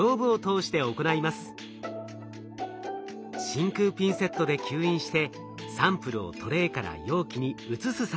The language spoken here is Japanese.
真空ピンセットで吸引してサンプルをトレーから容器に移す作業。